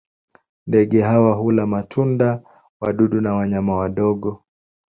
Ndege hawa hula matunda, wadudu na wanyama wadogo.